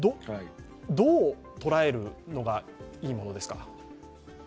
どう捉えるのがいいものですか？